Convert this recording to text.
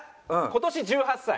今年１８歳。